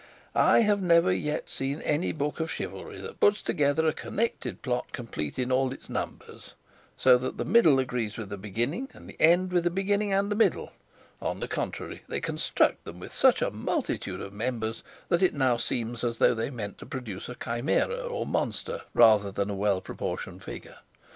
I have never yet seen any book of chivalry that puts together a connected plot complete in all its numbers, so that the middle agrees with the beginning, and the end with the beginning and middle; on the contrary, they construct them with such a multitude of members that it seems as though they meant to produce a chimera or monster rather than a well proportioned figure.